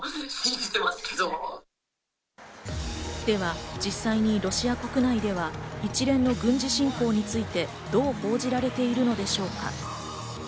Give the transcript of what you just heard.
では実際にロシア国内では一連の軍事侵攻について、どう報じられているのでしょうか。